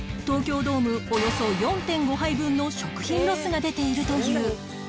東京ドームおよそ ４．５ 杯分の食品ロスが出ているという